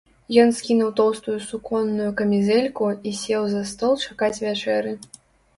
Ён скінуў тоўстую суконную камізэльку і сеў за стол чакаць вячэры.